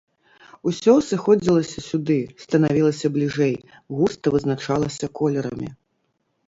Усё сыходзілася сюды, станавілася бліжэй, густа вызначалася колерамі.